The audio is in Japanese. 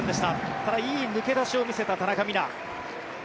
ただ、いい抜け出しを見せた田中美南。